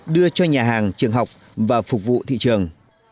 đưa cho nhà hàng trường học và phục vụ thị trường